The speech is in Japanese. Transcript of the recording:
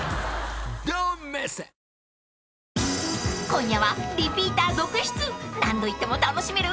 ［今夜は］